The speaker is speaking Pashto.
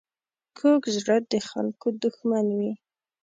کوږ زړه د خلکو دښمن وي